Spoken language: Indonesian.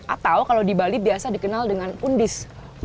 atau kalau di bali biasa dikenal dengan undis